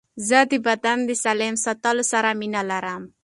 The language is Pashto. زه د بدن د سالم ساتلو سره مینه لرم.